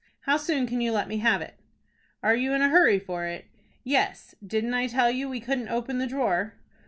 How soon can you let me have it?" "Are you in a hurry for it?" "Yes; didn't I tell you we couldn't open the drawer?"